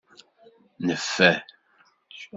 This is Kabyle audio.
Neffer.